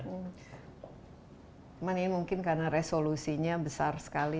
cuman ini mungkin karena resolusinya besar sekali